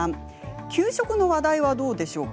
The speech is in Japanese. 給食の話題はどうでしょうか。